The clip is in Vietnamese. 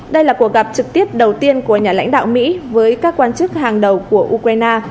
đây là cuộc gặp trực tiếp đầu tiên của nhà lãnh đạo mỹ với các quan chức hàng đầu của ukraine